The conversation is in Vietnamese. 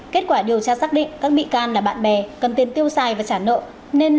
kết quả điều tra xác định các bị can là bạn bè cần tiền tiêu xài và trả nợ nên lên kế hoạch cướp ngân hàng